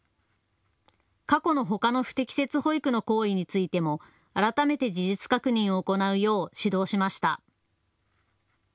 過去のほかの不適切保育の行為についても改めて事実確認を行うよう指導しました。